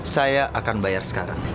saya akan bayar sekarang